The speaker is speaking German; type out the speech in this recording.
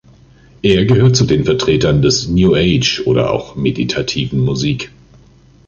Er gehört zu den Vertretern des New Age oder auch meditativen Musik.